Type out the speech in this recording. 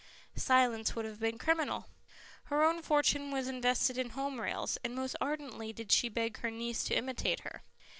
Silence would have been criminal. Her own fortune was invested in Home Rails, and most ardently did she beg her niece to imitate her.